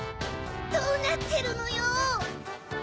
どうなってるのよ！